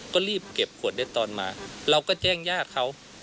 ก็รีบเก็บขวดได้ตอนมาเราก็แจ้งญาติเขา